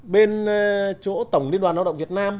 bên chỗ tổng liên đoàn lao động việt nam